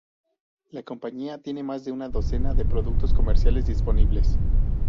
La compañía tiene más de una docena de productos comerciales disponibles.